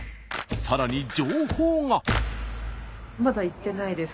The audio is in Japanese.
さらに情報が。